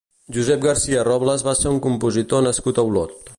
Josep Garcia Robles va ser un compositor nascut a Olot.